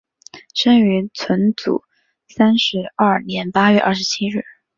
生于纯祖三十二年八月二十七日。